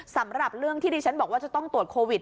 สำหรับเรื่องที่ดิฉันบอกว่าจะต้องตรวจโควิด